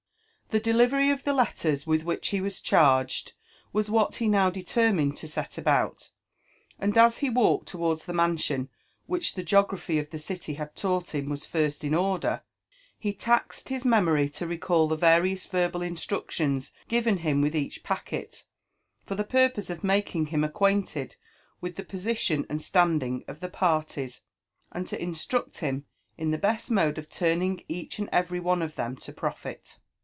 The delivery of the letters with which he was charged, was what he now determined to set about ; and as he walked towards the mansion which the geography of the city had taught him was first in order, he taxed his memory to recall the various verbal instructions given him with each packet, for the purpose of making him acquainted with the position and standing of the parties, and to instruct him in the best mode of turning each and every of them to profit.